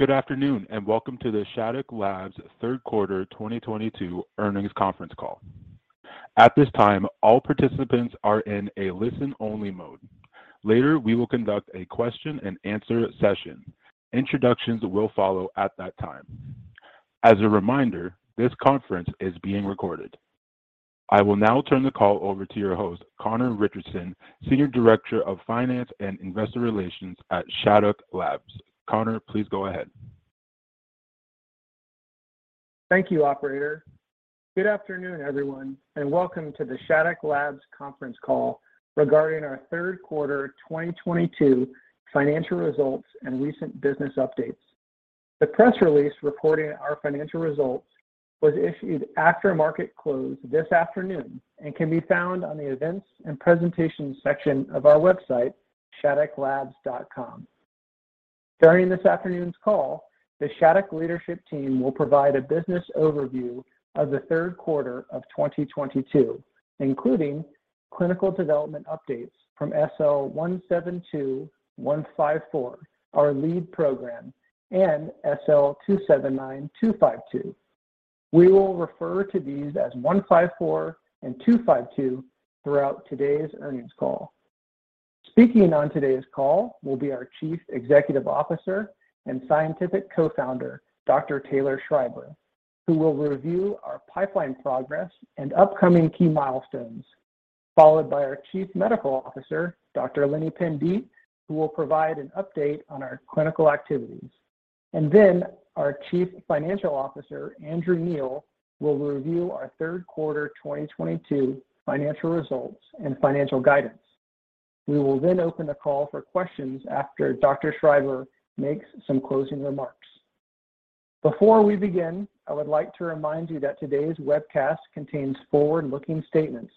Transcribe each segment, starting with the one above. Good afternoon, and welcome to the Shattuck Labs Q3 2022 Ernings Conference call. At this time, all participants are in a listen-only mode. Later, we will conduct a question and answer session. Introductions will follow at that time. As a reminder, this conference is being recorded. I will now turn the call over to your host, Conor Richardson, Senior Director of Finance and Investor Relations at Shattuck Labs. Conor, please go ahead. Thank you, operator. Good afternoon, everyone, and welcome to the Shattuck Labs conference call regarding our Q3 2022 financial results and recent business updates. The press release reporting our financial results was issued after market close this afternoon and can be found on the Events and Presentations section of our website, ShattuckLabs.com. During this afternoon's call, the Shattuck leadership team will provide a business overview of the Q3 of 2022, including clinical development updates from SL172154, our lead program, and SL279252. We will refer to these as 154 and 252 throughout today's earnings call. Speaking on today's call will be our Chief Executive Officer and Scientific Co-founder, Dr. Taylor Schreiber, who will review our pipeline progress and upcoming key milestones, followed by our Chief Medical Officer, Dr. Lini Pandite, who will provide an update on our clinical activities. Our Chief Financial Officer, Andrew R. Neill, will review our Q3 2022 financial results and financial guidance. We will then open the call for questions after Dr. Schreiber makes some closing remarks. Before we begin, I would like to remind you that today's webcast contains forward-looking statements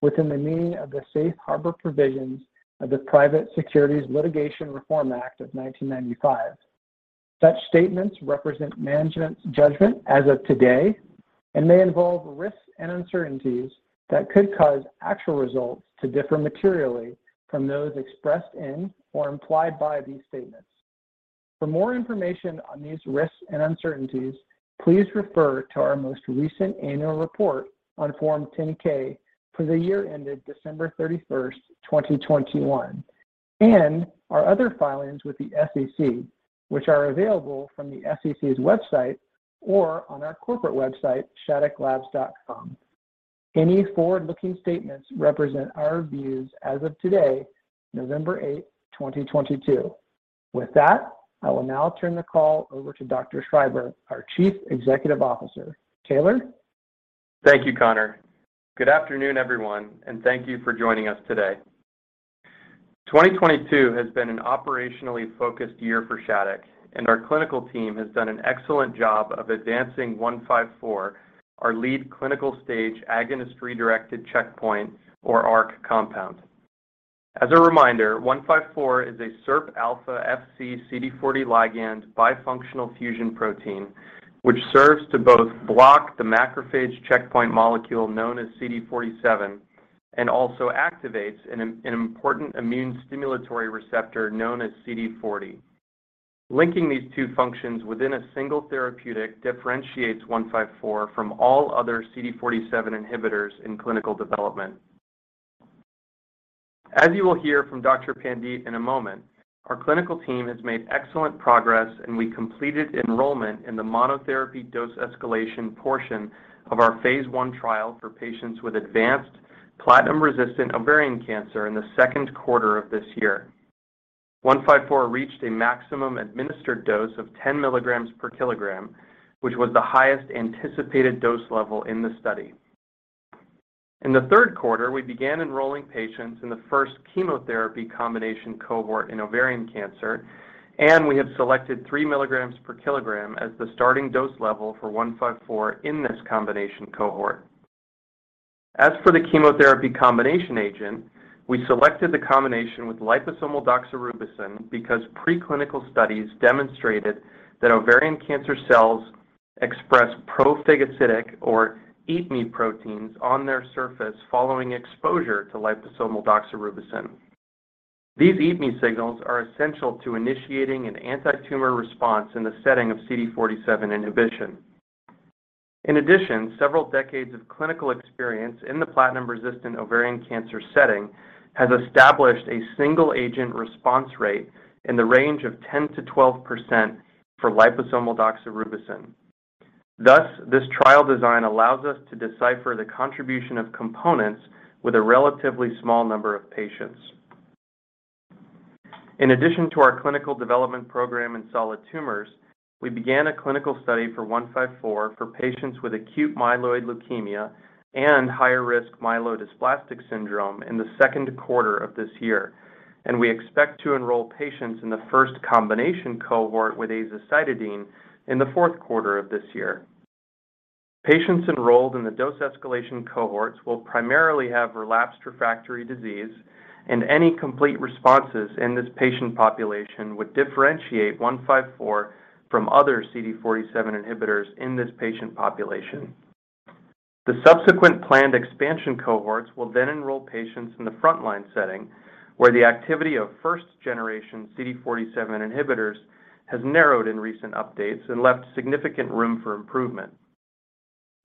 within the meaning of the Safe Harbor provisions of the Private Securities Litigation Reform Act of 1995. Such statements represent management's judgment as of today and may involve risks and uncertainties that could cause actual results to differ materially from those expressed in or implied by these statements. For more information on these risks and uncertainties, please refer to our most recent annual report on Form 10-K for the year ended December 31, 2021, and our other filings with the SEC, which are available from the SEC's website or on our corporate website, ShattuckLabs.com. Any forward-looking statements represent our views as of today, November 8, 2022. With that, I will now turn the call over to Dr. Schreiber, our Chief Executive Officer. Taylor? Thank you, Conor. Good afternoon, everyone, and thank you for joining us today. 2022 has been an operationally focused year for Shattuck, and our clinical team has done an excellent job of advancing 154, our lead clinical-stage agonist-redirected checkpoint or ARC compound. As a reminder, 154 is a SIRPalpha Fc CD40 ligand bifunctional fusion protein, which serves to both block the macrophage checkpoint molecule known as CD47 and also activates an important immune stimulatory receptor known as CD40. Linking these two functions within a single therapeutic differentiates 154 from all other CD47 inhibitors in clinical development. As you will hear from Dr. Pandite, in a moment, our clinical team has made excellent progress, and we completed enrollment in the monotherapy dose escalation portion of our phase I trial for patients with advanced platinum-resistant ovarian cancer in the Q2 of this year. 154 reached a maximum administered dose of 10 milligrams per kilogram, which was the highest anticipated dose level in the study. In the Q3, we began enrolling patients in the first chemotherapy combination cohort in ovarian cancer, and we have selected 3 milligrams per kilogram as the starting dose level for 154 in this combination cohort. As for the chemotherapy combination agent, we selected the combination with liposomal doxorubicin because preclinical studies demonstrated that ovarian cancer cells express pro-phagocytic or eat me proteins on their surface following exposure to liposomal doxorubicin. These eat me signals are essential to initiating an antitumor response in the setting of CD47 inhibition. In addition, several decades of clinical experience in the platinum-resistant ovarian cancer setting has established a single agent response rate in the range of 10%-12% for liposomal doxorubicin. Thus, this trial design allows us to decipher the contribution of components with a relatively small number of patients. In addition to our clinical development program in solid tumors, we began a clinical study for SL-172154 for patients with acute myeloid leukemia and higher risk myelodysplastic syndrome in the Q2 of this year. We expect to enroll patients in the first combination cohort with azacitidine in the Q4 of this year. Patients enrolled in the dose escalation cohorts will primarily have relapsed refractory disease, and any complete responses in this patient population would differentiate 154 from other CD47 inhibitors in this patient population. The subsequent planned expansion cohorts will then enroll patients in the frontline setting, where the activity of first generation CD47 inhibitors has narrowed in recent updates and left significant room for improvement.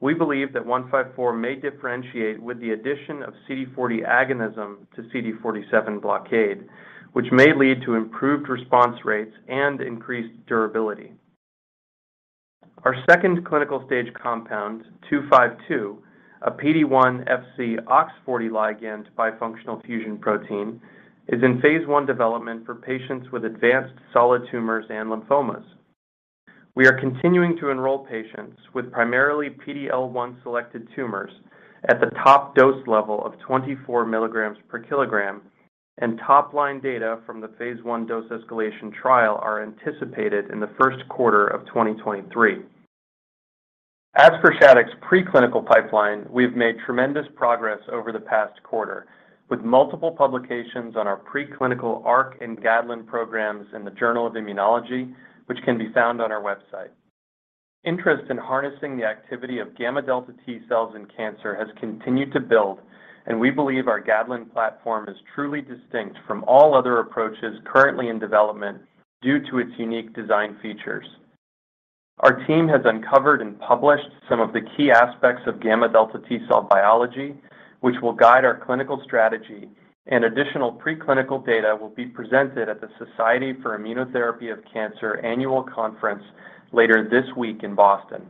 We believe that 154 may differentiate with the addition of CD40 agonism to CD47 blockade, which may lead to improved response rates and increased durability. Our second clinical stage compound, 252, a PD-1 Fc OX40 ligand bifunctional fusion protein, is in phase I development for patients with advanced solid tumors and lymphomas. We are continuing to enroll patients with primarily PD-L1 selected tumors at the top dose level of 24 milligrams per kilogram, and top-line data from the phase I dose escalation trial are anticipated in the Q1 of 2023. As for Shattuck's preclinical pipeline, we've made tremendous progress over the past quarter, with multiple publications on our preclinical ARC and GADLEN programs in The Journal of Immunology, which can be found on our website. Interest in harnessing the activity of gamma delta T cells in cancer has continued to build, and we believe our GADLEN platform is truly distinct from all other approaches currently in development due to its unique design features. Our team has uncovered and published some of the key aspects of gamma delta T cell biology, which will guide our clinical strategy, and additional preclinical data will be presented at the Society for Immunotherapy of Cancer Annual Conference later this week in Boston.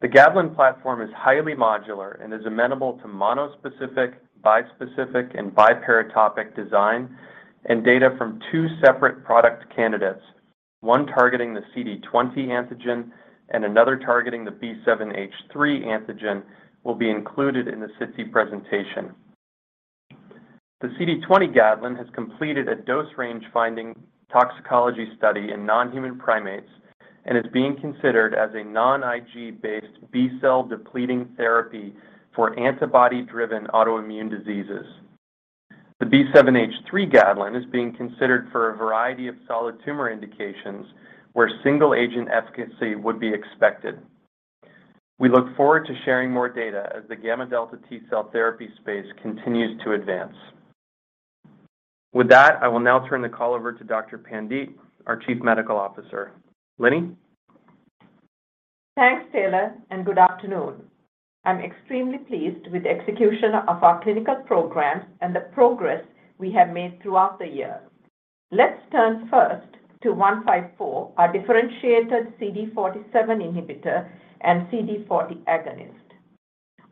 The GADLEN platform is highly modular and is amenable to monospecific, bispecific, and biparatopic design, and data from two separate product candidates, one targeting the CD20 antigen and another targeting the B7-H3 antigen, will be included in the SITC presentation. The CD20 GADLEN has completed a dose range-finding toxicology study in non-human primates and is being considered as a non-Ig-based B-cell depleting therapy for antibody-driven autoimmune diseases. The B7-H3 GADLEN is being considered for a variety of solid tumor indications where single-agent efficacy would be expected. We look forward to sharing more data as the gamma delta T cell therapy space continues to advance. With that, I will now turn the call over to Dr. Pandite, our Chief Medical Officer. Lenny? Thanks, Taylor, and good afternoon. I'm extremely pleased with the execution of our clinical programs and the progress we have made throughout the year. Let's turn first to 154, our differentiated CD47 inhibitor and CD40 agonist.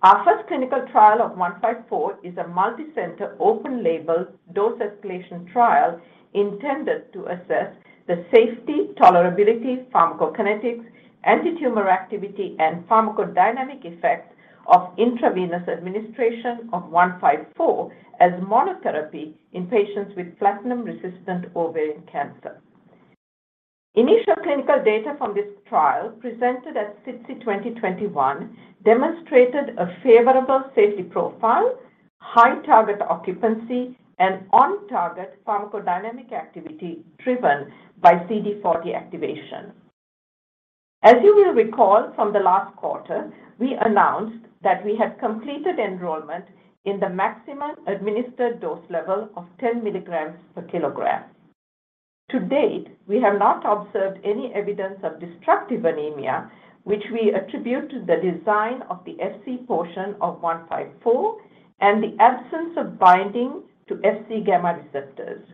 Our first clinical trial of 154 is a multicenter open label dose escalation trial intended to assess the safety, tolerability, pharmacokinetics, antitumor activity, and pharmacodynamic effects of intravenous administration of 154 as monotherapy in patients with platinum-resistant ovarian cancer. Initial clinical data from this trial presented at SITC 2021 demonstrated a favorable safety profile, high target occupancy, and on-target pharmacodynamic activity driven by CD40 activation. As you will recall from the last quarter, we announced that we had completed enrollment in the maximum administered dose level of 10 milligrams per kilogram. To date, we have not observed any evidence of destructive anemia, which we attribute to the design of the Fc portion of 154 and the absence of binding to Fc gamma receptors.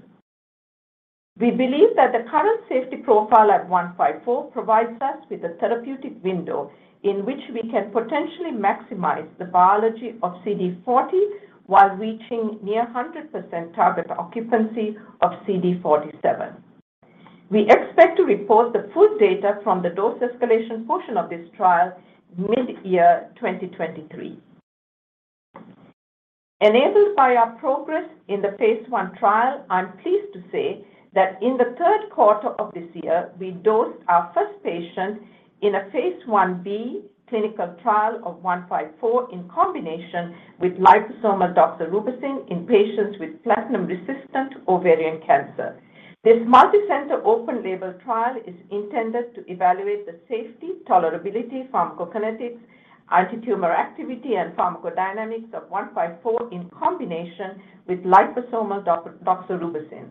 We believe that the current safety profile at 154 provides us with a therapeutic window in which we can potentially maximize the biology of CD40 while reaching near 100% target occupancy of CD47. We expect to report the full data from the dose escalation portion of this trial mid-year 2023. Enabled by our progress in the phase I trial, I'm pleased to say that in the Q3 of this year, we dosed our first patient in a phase I-B clinical trial of 154 in combination with liposomal doxorubicin in patients with platinum-resistant ovarian cancer. This multicenter open label trial is intended to evaluate the safety, tolerability, pharmacokinetics, antitumor activity, and pharmacodynamics of 154 in combination with liposomal doxorubicin.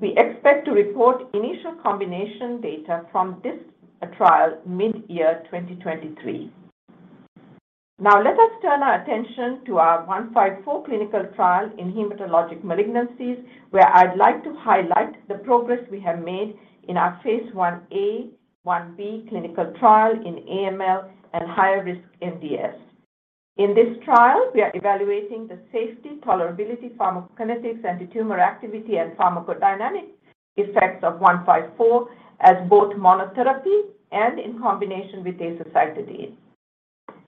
We expect to report initial combination data from this trial mid-year 2023. Now let us turn our attention to our 154 clinical trial in hematologic malignancies, where I'd like to highlight the progress we have made in our phase I-A/1-B clinical trial in AML and higher risk MDS. In this trial, we are evaluating the safety, tolerability, pharmacokinetics, antitumor activity, and pharmacodynamic effects of 154 as both monotherapy and in combination with azacitidine.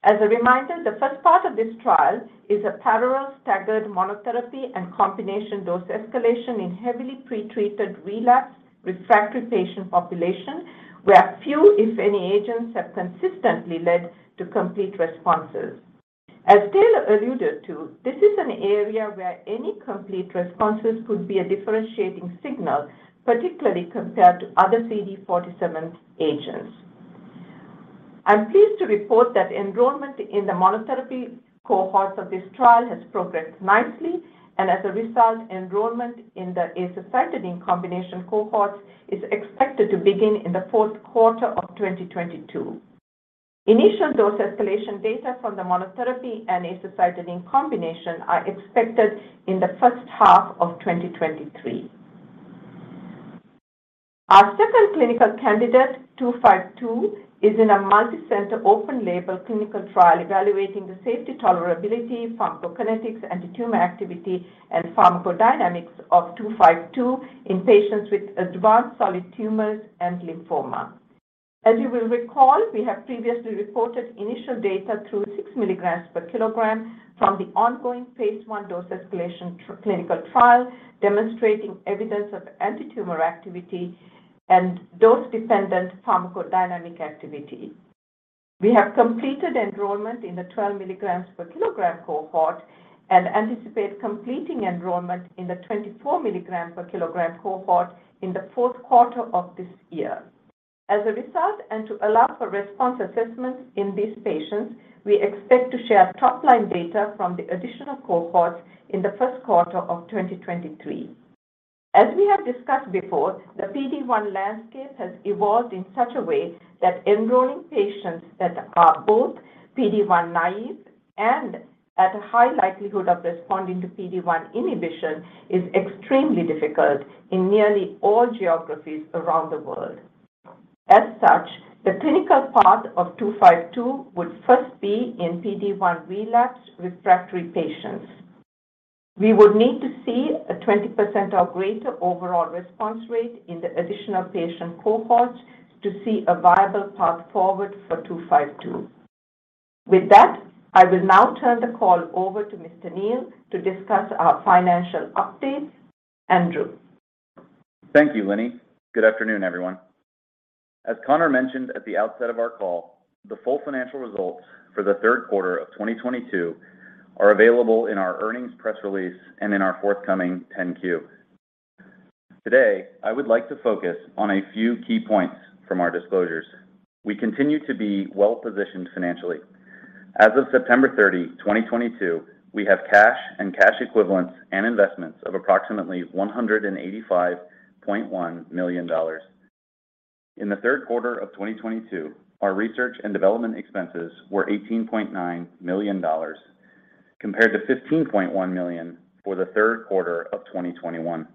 As a reminder, the first part of this trial is a parallel staggered monotherapy and combination dose escalation in heavily pretreated, relapsed, refractory patient population where few, if any, agents have consistently led to complete responses. As Taylor alluded to, this is an area where any complete responses could be a differentiating signal, particularly compared to other CD47 agents. I'm pleased to report that enrollment in the monotherapy cohorts of this trial has progressed nicely, and as a result, enrollment in the azacitidine combination cohorts is expected to begin in the Q4 of 2022. Initial dose escalation data from the monotherapy and azacitidine combination are expected in the first half of 2023. Our second clinical candidate, 252, is in a multi-center open label clinical trial evaluating the safety tolerability, pharmacokinetics, antitumor activity, and pharmacodynamics of 252 in patients with advanced solid tumors and lymphoma. As you will recall, we have previously reported initial data through six milligrams per kilogram from the ongoing phase I dose escalation clinical trial demonstrating evidence of antitumor activity and dose-dependent pharmacodynamic activity. We have completed enrollment in the 12 milligrams per kilogram cohort and anticipate completing enrollment in the 24 milligrams per kilogram cohort in the Q4 of this year. As a result, and to allow for response assessments in these patients, we expect to share top-line data from the additional cohorts in the Q1 of 2023. As we have discussed before, the PD-1 landscape has evolved in such a way that enrolling patients that are both PD-1 naive and at a high likelihood of responding to PD-1 inhibition is extremely difficult in nearly all geographies around the world. As such, the clinical path of 252 would first be in PD-1 relapsed refractory patients. We would need to see a 20% or greater overall response rate in the additional patient cohorts to see a viable path forward for 252. With that, I will now turn the call over to Mr. Neill to discuss our financial updates. Andrew? Thank you, Lini. Good afternoon, everyone. As Conor mentioned at the outset of our call, the full financial results for the Q3 of 2022 are available in our earnings press release and in our forthcoming 10-Q. Today, I would like to focus on a few key points from our disclosures. We continue to be well-positioned financially. As of September 30, 2022, we have cash and cash equivalents and investments of approximately $185.1 million. In the Q3 of 2022, our research and development expenses were $18.9 million compared to $15.1 million for the Q3 of 2021.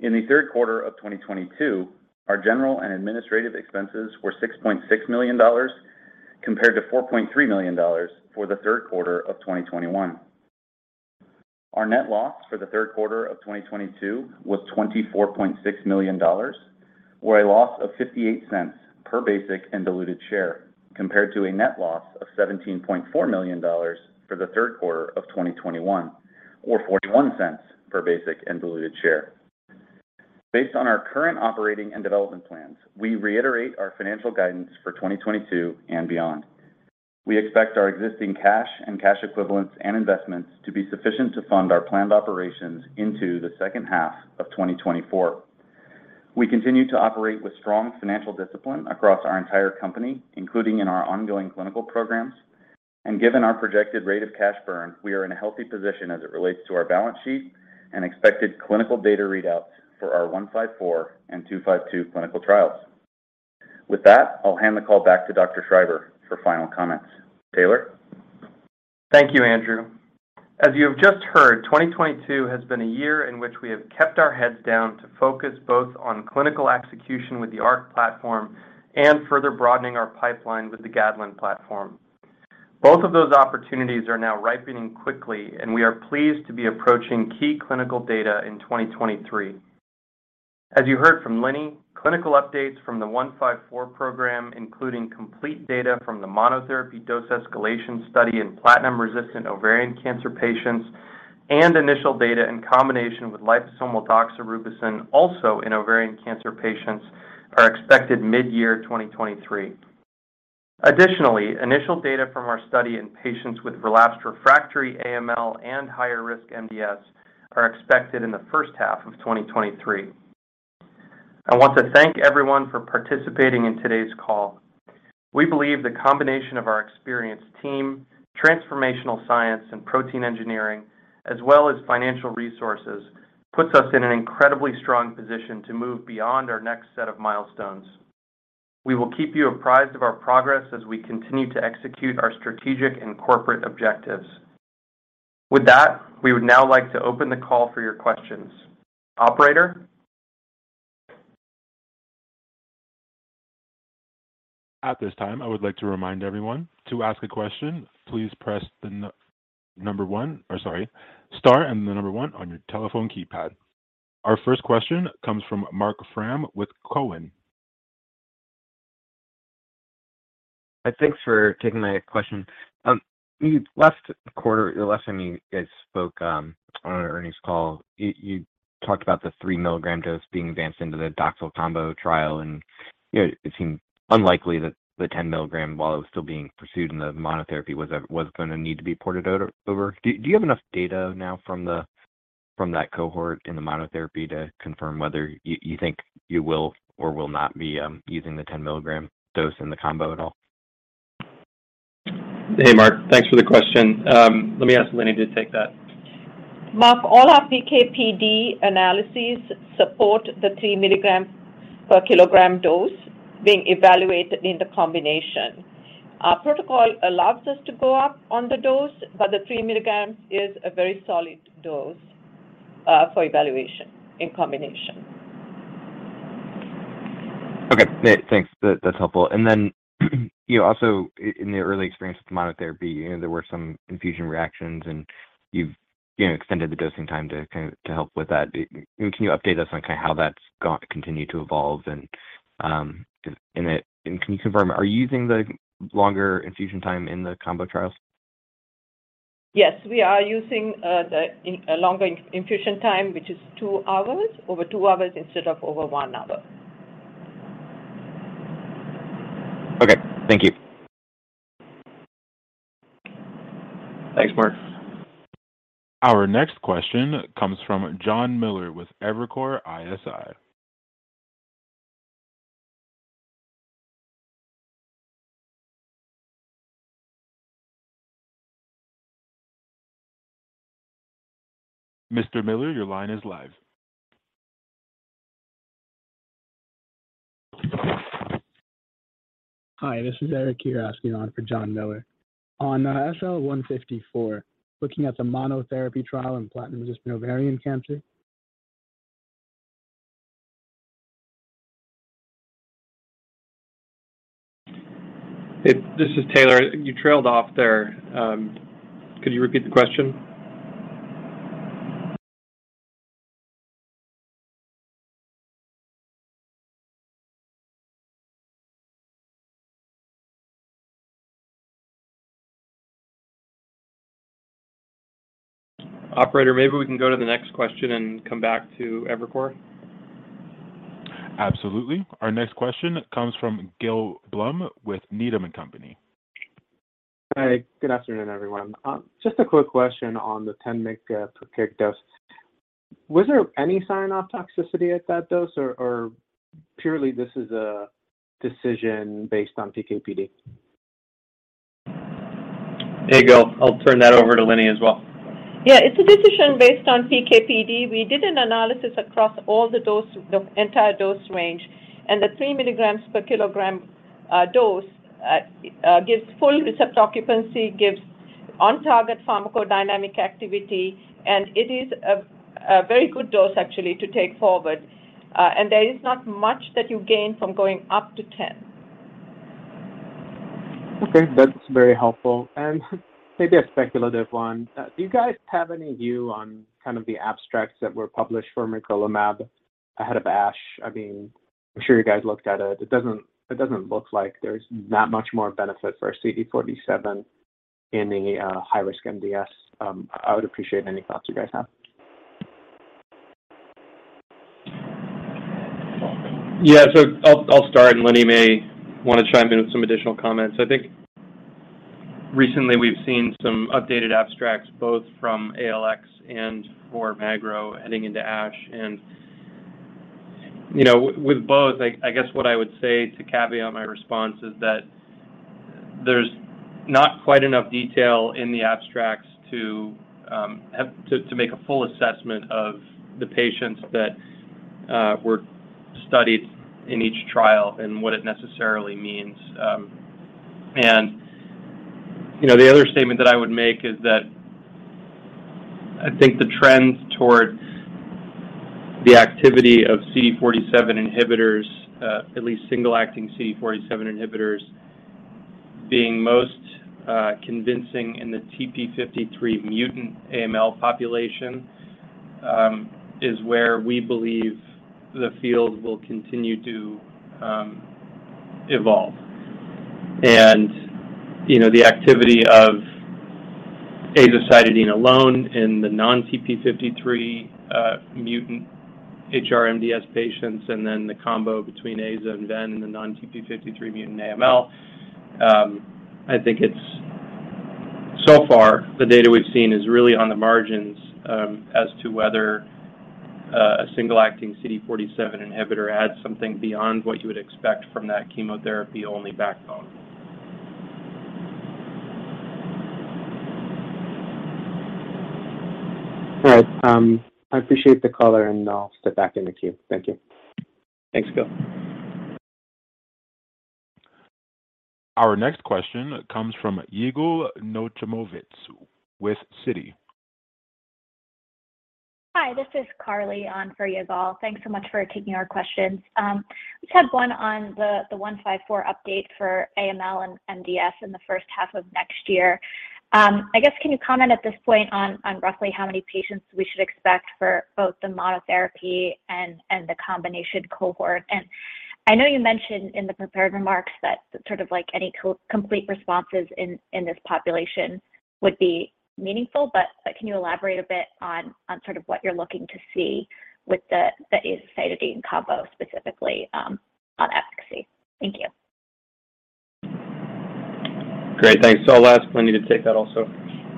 In the Q3 of 2022, our general and administrative expenses were $6.6 million compared to $4.3 million for the Q3 of 2021. Our net loss for the Q3 of 2022 was $24.6 million, or a loss of $0.58 per basic and diluted share, compared to a net loss of $17.4 million for the Q3 of 2021, or $0.41 per basic and diluted share. Based on our current operating and development plans, we reiterate our financial guidance for 2022 and beyond. We expect our existing cash and cash equivalents and investments to be sufficient to fund our planned operations into the second half of 2024. We continue to operate with strong financial discipline across our entire company, including in our ongoing clinical programs. Given our projected rate of cash burn, we are in a healthy position as it relates to our balance sheet and expected clinical data readouts for our 154 and 252 clinical trials. With that, I'll hand the call back to Dr. Schreiber for final comments. Taylor? Thank you, Andrew. As you have just heard, 2022 has been a year in which we have kept our heads down to focus both on clinical execution with the ARC platform and further broadening our pipeline with the GADLEN platform. Both of those opportunities are now ripening quickly, and we are pleased to be approaching key clinical data in 2023. As you heard from Lini, clinical updates from the 154 program, including complete data from the monotherapy dose escalation study in platinum-resistant ovarian cancer patients and initial data in combination with liposomal doxorubicin also in ovarian cancer patients, are expected mid-year 2023. Additionally, initial data from our study in patients with relapsed refractory AML and higher risk MDS are expected in the first half of 2023. I want to thank everyone for participating in today's call. We believe the combination of our experienced team, transformational science and protein engineering, as well as financial resources, puts us in an incredibly strong position to move beyond our next set of milestones. We will keep you apprised of our progress as we continue to execute our strategic and corporate objectives. With that, we would now like to open the call for your questions. Operator? At this time, I would like to remind everyone to ask a question, please press star and the number one on your telephone keypad. Our first question comes from Marc Frahm with TD Cowen. Thanks for taking my question. Last quarter, the last time you guys spoke on earnings call, you talked about the three milligram dose being advanced into the Doxil combo trial, and, you know, it seemed unlikely that the 10 milligram, while it was still being pursued in the monotherapy, was gonna need to be ported over. Do you have enough data now from that cohort in the monotherapy to confirm whether you think you will or will not be using the 10 milligram dose in the combo at all? Hey, Marc. Thanks for the question. Let me ask Lenny to take that. Marc, all our PK/PD analyses support the three milligram per kilogram dose being evaluated in the combination. Our protocol allows us to go up on the dose, but the three milligrams is a very solid dose for evaluation in combination. Okay. Thanks. That's helpful. Then, you know, also in the early experience with the monotherapy, you know, there were some infusion reactions, and you've, you know, extended the dosing time to help with that. Can you update us on kind of how that's continued to evolve, and can you confirm, are you using the longer infusion time in the combo trials? Yes. We are using a longer infusion time, which is two hours, over two hours instead of over one hour. Okay. Thank you. Thanks, Marc. Our next question comes from Jon Miller with Evercore ISI. Mr. Miller, your line is live. Hi, this is Eric here asking on for Jon Miller. On SL-154, looking at the monotherapy trial in platinum-resistant ovarian cancer. Hey, this is Taylor. You trailed off there. Could you repeat the question? Operator, maybe we can go to the next question and come back to Evercore. Absolutely. Our next question comes from Gil Blum with Needham & Company. Hi. Good afternoon, everyone. Just a quick question on the 10 mg per kg dose. Was there any sign of toxicity at that dose or purely this is a decision based on PK/PD? Hey, Gil. I'll turn that over to Lenny as well. Yeah. It's a decision based on PK/PD. We did an analysis across all the dose, the entire dose range, and the three milligrams per kilogram dose gives full receptor occupancy, gives on-target pharmacodynamic activity, and it is a very good dose actually to take forward. There is not much that you gain from going up to 10. Okay. That's very helpful. Maybe a speculative one. Do you guys have any view on kind of the abstracts that were published for magrolimab ahead of ASH? I mean, I'm sure you guys looked at it. It doesn't look like there's that much more benefit for CD47 in the high-risk MDS. I would appreciate any thoughts you guys have. Yeah. I'll start, and Lenny may wanna chime in with some additional comments. I think recently we've seen some updated abstracts, both from ALX and for magrolimab heading into ASH. You know, with both, I guess what I would say to caveat my response is that there's not quite enough detail in the abstracts to have to make a full assessment of the patients that were studied in each trial and what it necessarily means. You know, the other statement that I would make is that I think the trends toward the activity of CD47 inhibitors, at least single-agent CD47 inhibitors being most convincing in the TP53 mutant AML population, is where we believe the field will continue to evolve. You know, the activity of azacitidine alone in the non-TP53 mutant HR-MDS patients and then the combo between AZA and VEN in the non-TP53 mutant AML. I think it's so far the data we've seen is really on the margins as to whether a single-acting CD47 inhibitor adds something beyond what you would expect from that chemotherapy-only backbone. All right. I appreciate the color, and I'll step back in the queue. Thank you. Thanks, Gil. Our next question comes from Yigal Nochomovitz with Citi. Hi. This is Carly on for Yigal. Thanks so much for taking our questions. Just had one on the SL-172154 update for AML and MDS in the first half of next year. I guess can you comment at this point on roughly how many patients we should expect for both the monotherapy and the combination cohort? I know you mentioned in the prepared remarks that sort of like any complete responses in this population would be meaningful, but can you elaborate a bit on sort of what you're looking to see with the azacitidine combo specifically on efficacy? Thank you. Great. Thanks. I'll ask Lini to take that also.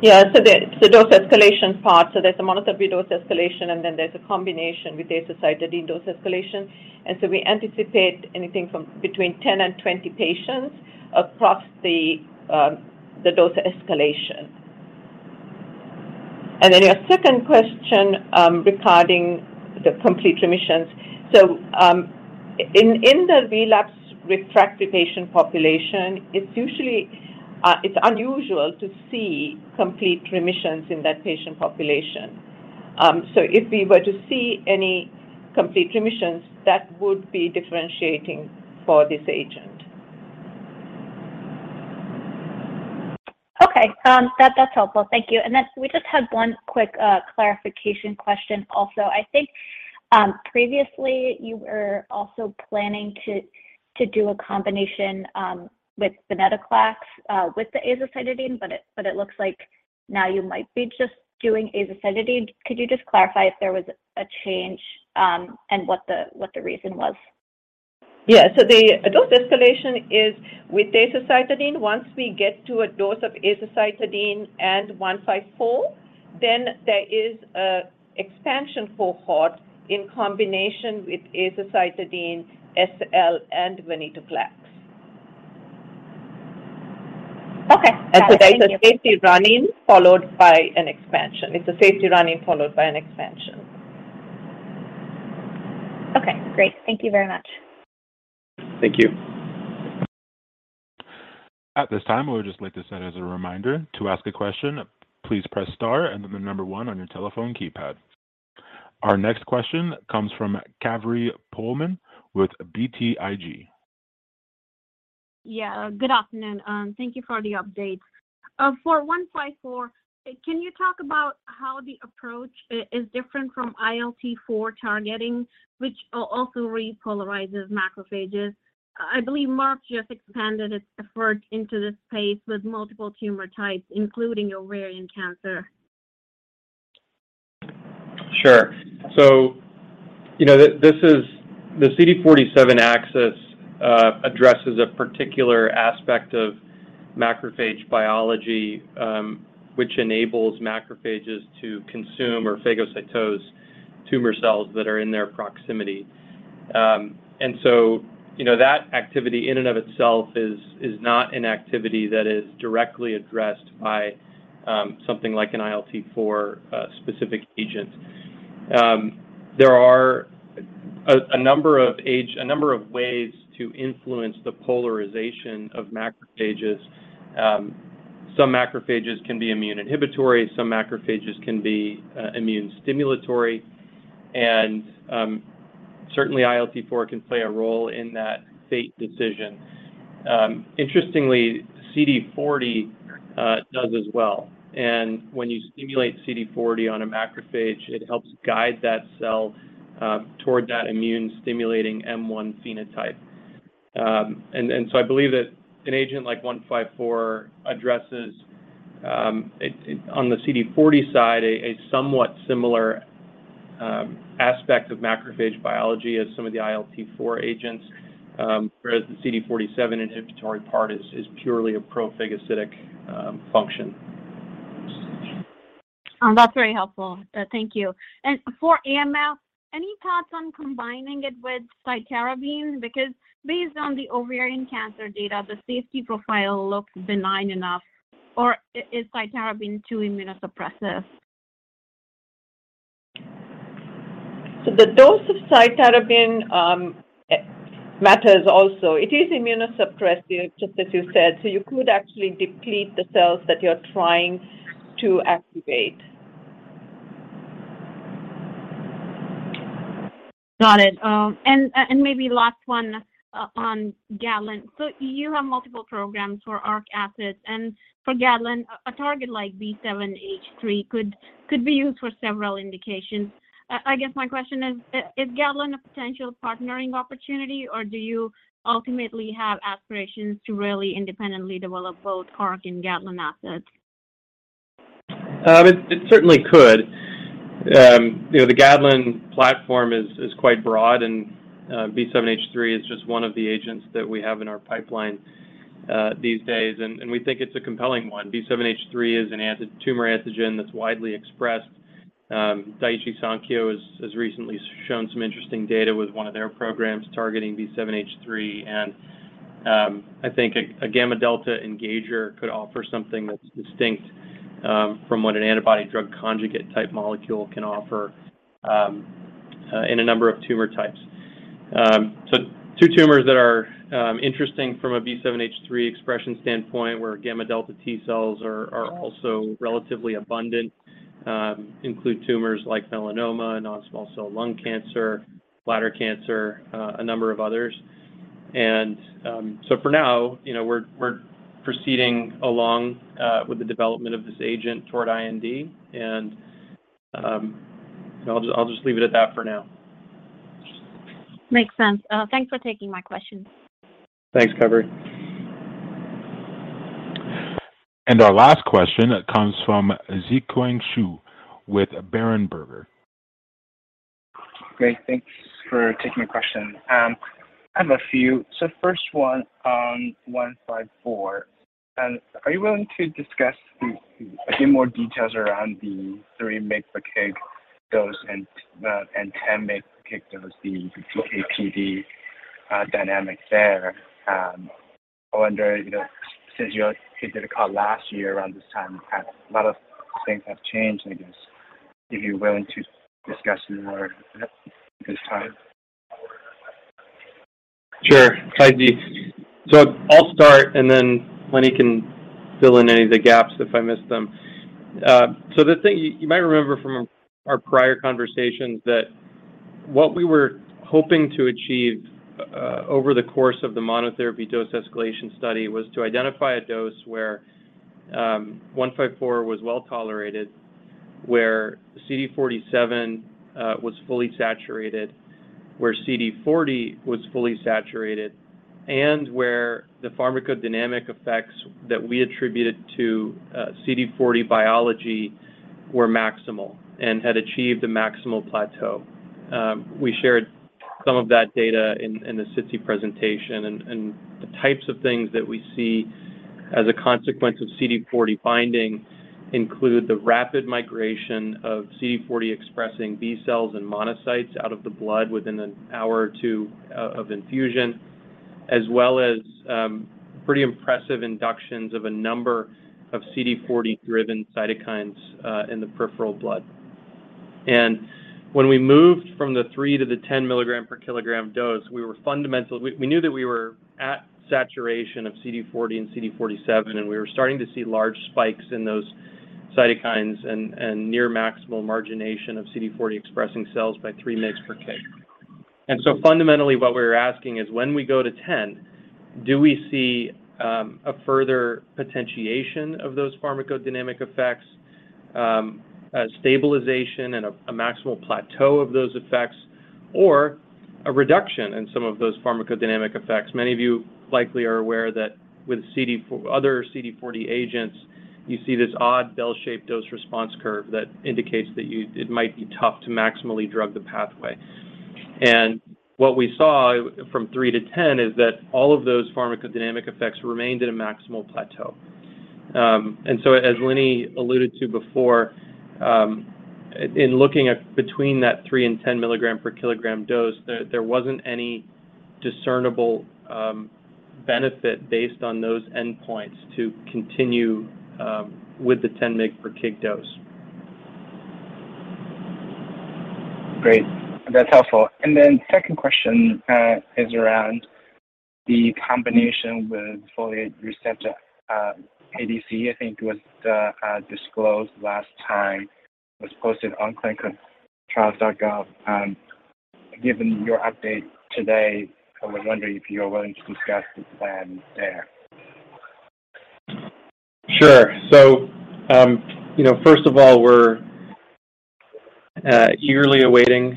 The dose escalation part, so there's a monotherapy dose escalation, and then there's a combination with azacitidine dose escalation. We anticipate anywhere between 10 and 20 patients across the dose escalation. Your second question regarding the complete remissions. In the relapse/refractory patient population, it's usually, it's unusual to see complete remissions in that patient population. If we were to see any complete remissions, that would be differentiating for this agent. Okay. That's helpful. Thank you. Then we just had one quick clarification question also. I think previously you were also planning to do a combination with venetoclax with the azacitidine, but it looks like now you might be just doing azacitidine. Could you just clarify if there was a change and what the reason was? The dose escalation is with azacitidine. Once we get to a dose of azacitidine and SL-172154, there is an expansion cohort in combination with azacitidine, SL-172154, and venetoclax. Okay. Got it. Thank you. There's a safety run-in followed by an expansion. It's a safety run-in followed by an expansion. Okay, great. Thank you very much. Thank you. At this time, we would just like to send as a reminder, to ask a question, please press star and then 1 on your telephone keypad. Our next question comes from Kaveri Pohlman with BTIG. Yeah, good afternoon. Thank you for the updates. For 154, can you talk about how the approach is different from ILT4 targeting, which also repolarizes macrophages? I believe Merck just expanded its effort into this space with multiple tumor types, including ovarian cancer. Sure. You know, the CD47 axis addresses a particular aspect of macrophage biology, which enables macrophages to consume or phagocytose tumor cells that are in their proximity. You know, that activity in and of itself is not an activity that is directly addressed by something like an ILT4 specific agent. There are a number of ways to influence the polarization of macrophages. Some macrophages can be immune inhibitory, some macrophages can be immune stimulatory, and certainly ILT4 can play a role in that fate decision. Interestingly, CD40 does as well. When you stimulate CD40 on a macrophage, it helps guide that cell toward that immune-stimulating M1 phenotype. I believe that an agent like 154 addresses, on the CD40 side, a somewhat similar aspect of macrophage biology as some of the ILT4 agents, whereas the CD47 inhibitory part is purely a pro-phagocytic function. That's very helpful. Thank you. For AML, any thoughts on combining it with cytarabine? Because based on the ovarian cancer data, the safety profile looks benign enough, or is cytarabine too immunosuppressive? The dose of cytarabine matters also. It is immunosuppressive, just as you said, so you could actually deplete the cells that you're trying to activate. Got it. Maybe last one on GADLEN. You have multiple programs for ARC assets, and for GADLEN, a target like B7-H3 could be used for several indications. I guess my question is GADLEN a potential partnering opportunity, or do you ultimately have aspirations to really independently develop both ARC and GADLEN assets? It certainly could. You know, the GADLEN platform is quite broad, and B7-H3 is just one of the agents that we have in our pipeline these days, and we think it's a compelling one. B7-H3 is an anti-tumor antigen that's widely expressed. Daiichi Sankyo has recently shown some interesting data with one of their programs targeting B7-H3. I think a gamma delta engager could offer something that's distinct from what an antibody drug conjugate-type molecule can offer in a number of tumor types. Two tumors that are interesting from a B7-H3 expression standpoint where gamma delta T cells are also relatively abundant include tumors like melanoma, non-small cell lung cancer, bladder cancer, a number of others. For now, you know, we're proceeding along with the development of this agent toward IND. I'll just leave it at that for now. Makes sense. Thanks for taking my question. Thanks, Kaveri. Our last question comes from Zhiqiang Shu with Berenberg. Great. Thanks for taking the question. I have a few. First one on 154. Are you willing to discuss a few more details around the 3 mg/kg dose and 10 mg/kg dose, the PK/PD dynamic there. I wonder, you know, since you did a call last year around this time, a lot of things have changed, I guess. If you're willing to discuss any more at this time? Sure. Hi, Zhiqiang. I'll start, and then Lenny can fill in any of the gaps if I miss them. The thing you might remember from our prior conversations that what we were hoping to achieve over the course of the monotherapy dose escalation study was to identify a dose where SL-172154 was well-tolerated, where CD47 was fully saturated, where CD40 was fully saturated, and where the pharmacodynamic effects that we attributed to CD40 biology were maximal and had achieved a maximal plateau. We shared some of that data in the SITC presentation and the types of things that we see as a consequence of CD40 binding include the rapid migration of CD40 expressing B cells and monocytes out of the blood within an hour or two of infusion, as well as pretty impressive inductions of a number of CD40-driven cytokines in the peripheral blood. When we moved from the 3 to the 10 mg/kg dose, we knew that we were at saturation of CD40 and CD47, and we were starting to see large spikes in those cytokines and near maximal margination of CD40 expressing cells by 3 mg/kg. Fundamentally, what we were asking is when we go to 10, do we see a further potentiation of those pharmacodynamic effects, a stabilization and a maximal plateau of those effects, or a reduction in some of those pharmacodynamic effects? Many of you likely are aware that with other CD40 agents, you see this odd bell-shaped dose response curve that indicates that it might be tough to maximally drug the pathway. What we saw from three to 10 is that all of those pharmacodynamic effects remained at a maximal plateau. As Lenny alluded to before, in looking at between that three and 10 milligram per kilogram dose, there wasn't any discernible benefit based on those endpoints to continue with the 10 mg per kg dose. Great. That's helpful. Second question is around the combination with folate receptor ADC, I think was disclosed last time. It was posted on ClinicalTrials.gov. Given your update today, I was wondering if you are willing to discuss the plan there. Sure. You know, first of all, we're eagerly awaiting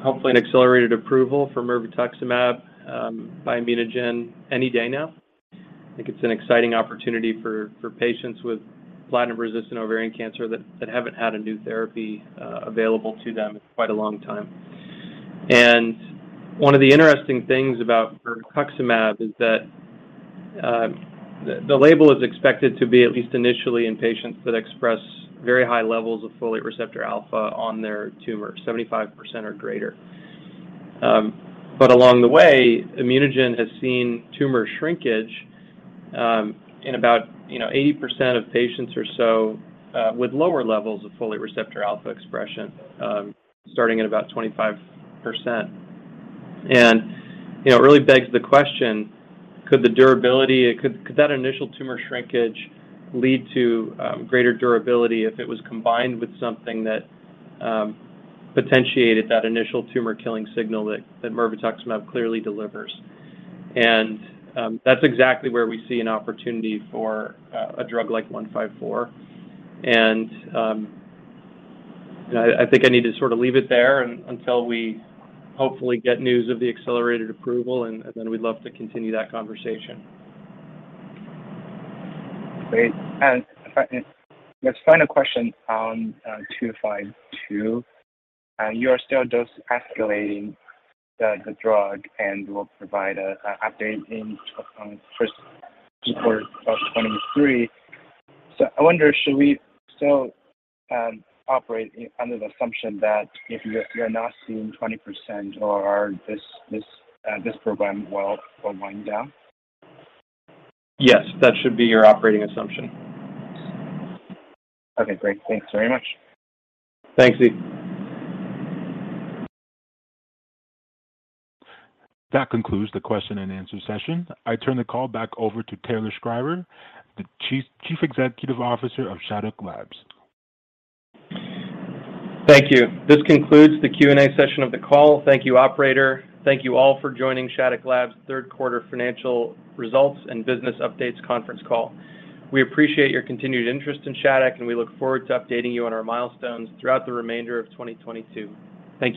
hopefully an accelerated approval for mirvetuximab by ImmunoGen any day now. I think it's an exciting opportunity for patients with platinum-resistant ovarian cancer that haven't had a new therapy available to them in quite a long time. One of the interesting things about mirvetuximab is that the label is expected to be at least initially in patients that express very high levels of folate receptor alpha on their tumor, 75% or greater. Along the way, ImmunoGen has seen tumor shrinkage in about, you know, 80% of patients or so with lower levels of folate receptor alpha expression starting at about 25%. You know, it really begs the question, could that initial tumor shrinkage lead to greater durability if it was combined with something that potentiated that initial tumor killing signal that mirvetuximab clearly delivers? I think I need to sort of leave it there until we hopefully get news of the accelerated approval, and then we'd love to continue that conversation. Great. Last question on 252. You are still dose-escalating the drug and will provide a update in Q1 of 2023. I wonder, should we still operate under the assumption that if you're not seeing 20% or this program will wind down? Yes. That should be your operating assumption. Okay. Great. Thanks very much. Thanks, Zhiqiang. That concludes the question and answer session. I turn the call back over to Taylor Schreiber, the Chief Executive Officer of Shattuck Labs. Thank you. This concludes the Q&A session of the call. Thank you, operator. Thank you all for joining Shattuck Labs' Q3 financial results and business updates conference call. We appreciate your continued interest in Shattuck, and we look forward to updating you on our milestones throughout the remainder of 2022. Thank you.